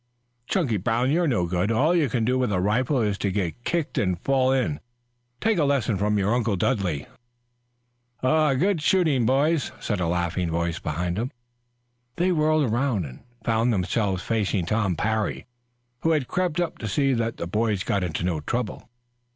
"Chunky Brown, you're no good. All you can do with a rifle is to get kicked and fall in. Take a lesson from your Uncle Dudley " "Good shooting, boys," said a laughing voice behind them. They whirled around and found themselves facing Tom Parry, who had crept up to see that the boys got into no trouble.